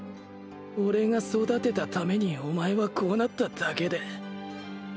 俺が育てたためにお前はこうなっただけで